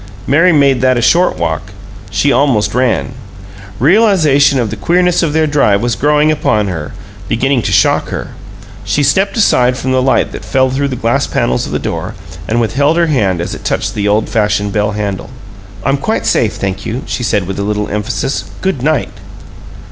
Mary made that a short walk; she almost ran. Realization of the queerness of their drive was growing upon her, beginning to shock her; she stepped aside from the light that fell through the glass panels of the door and withheld her hand as it touched the old fashioned bell handle. "I'm quite safe, thank you," she said, with a little emphasis. "Good night."